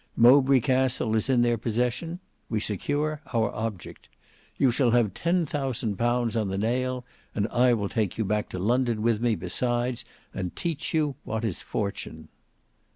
Mowbray Castle is in their possession; we secure our object. You shall have ten thousand pounds on the nail, and I will take you back to London with me besides and teach you what is fortune."